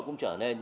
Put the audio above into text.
cũng trở nên